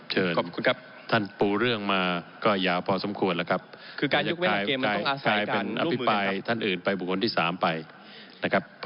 เชิญท่านปูเรื่องมาก็ยาวพอสมควรแล้วครับ